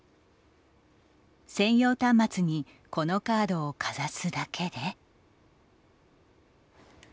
専用端末にこのカードをかざすだけで。